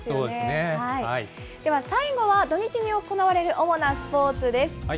では、最後は土日に行われる主なスポーツです。